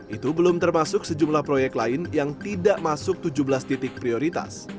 itu belum termasuk sejumlah proyek lain yang tidak masuk tujuh belas titik prioritas